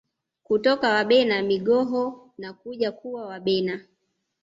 Kutoka Wabena Migoha na kuja kuwa Wabena